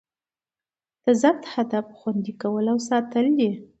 د ضبط هدف؛ خوندي کول او ساتل دي.